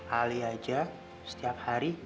ali aja setiap hari